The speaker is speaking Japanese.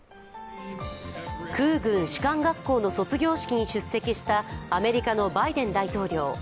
空軍士官学校の卒業式に出席したアメリカのバイデン大統領。